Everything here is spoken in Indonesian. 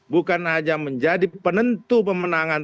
bukan saja menjadi penentu pemenangan